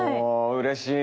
うれしい。